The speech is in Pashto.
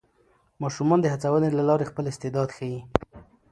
ماشومان د هڅونې له لارې خپل استعداد ښيي